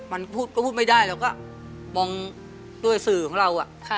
มันพูดก็พูดไม่ได้เราก็มองด้วยสื่อของเรา